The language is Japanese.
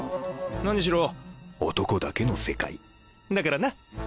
何しろ男だけの世界だからな。